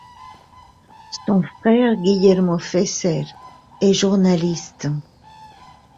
Son frère Guillermo Fesser est journaliste.